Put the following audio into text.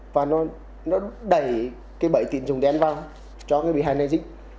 và nó đẩy bẫy tịnh dùng đen vào cho bị hài này dịch